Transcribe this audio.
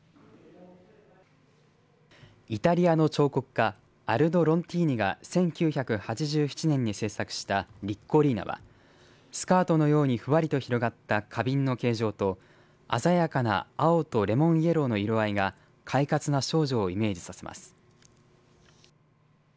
イタリアの彫刻家アルド・ロンティーニが１９８７年に制作したリッコリーナはスカートのようにふわりと広がった花瓶の形状と鮮やかな青とレモンイエローの色合いが快活な少女をイメージさせます。